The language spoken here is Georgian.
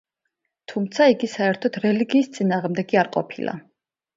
თუმცა იგი საერთოდ რელიგიის წინააღმდეგი არ ყოფილა.